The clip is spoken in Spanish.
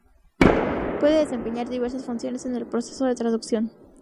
Puede desempeñar diversas funciones en el proceso de traducción.